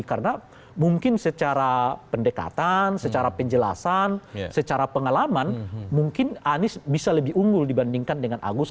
karena mungkin secara pendekatan secara penjelasan secara pengalaman mungkin anis bisa lebih unggul dibandingkan dengan agus